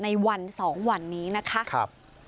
ในวัน๒วันนี้นะคะ